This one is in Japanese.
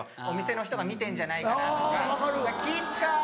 お店の人が見てんじゃないかなとか。